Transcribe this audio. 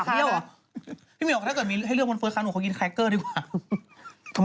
พี่หมี่หวังว่าถ้าเกิดมีให้เลือกบนเฟิร์สค้าหนูเขากินแคร์กเกอร์ดีกว่า